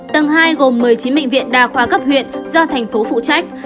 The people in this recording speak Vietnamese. tầng hai gồm một mươi chín bệnh viện đa khoa cấp huyện do thành phố phụ trách